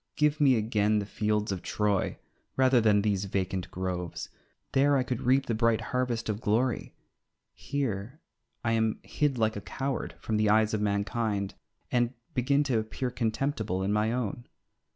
Give me again the fields of Troy, rather than these vacant groves. There I could reap the bright harvest of glory; here I am hid like a coward from the eyes of mankind, and begin to appear comtemptible in my own.